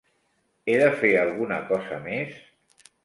He de fer alguna cosa més?